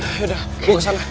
yaudah gue kesana